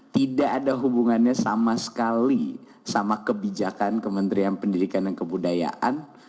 tidak ada hubungannya sama sekali sama kebijakan kementerian pendidikan dan kebudayaan